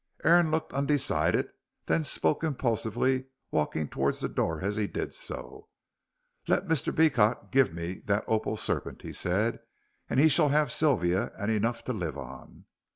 Aaron looked undecided, then spoke impulsively, walking towards the door as he did so. "Let Mr. Beecot give me that opal serpent," he said, "and he shall have Sylvia and enough to live on."